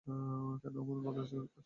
কেন এমন আচরণ করছিস?